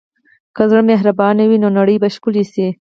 که زړه مهربان وي، نو نړۍ به ښکلې شي.